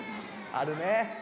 あるね。